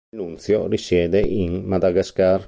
Il nunzio risiede in Madagascar.